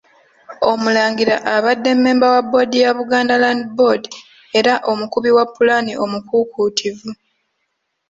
Omulangira abadde Mmemba wa Bboodi ya Buganda Land Board era omukubi wa pulaani omukuukuutivu.